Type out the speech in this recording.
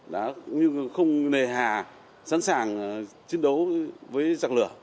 cũng như không nề hà sẵn sàng chiến đấu với giặc lửa